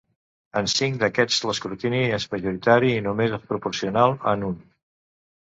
En cinc d'aquests, l'escrutini és majoritari i només és proporcional en un.